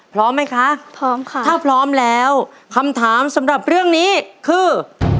พร้อมไหมคะพร้อมค่ะถ้าพร้อมแล้วคำถามสำหรับเรื่องนี้คือ